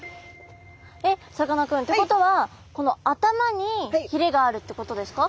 えっさかなクンってことはこの頭にひれがあるってことですか？